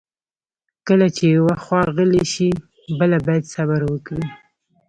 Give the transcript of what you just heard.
کله چې یوه خوا غلې شي، بله باید صبر وکړي.